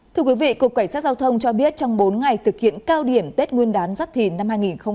thưa quý vị cục cảnh sát giao thông cho biết trong bốn ngày thực hiện cao điểm tết nguyên đán giáp thìn năm hai nghìn hai mươi bốn